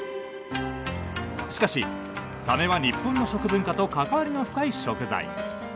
しかしサメは日本の食文化と関わりの深い食材。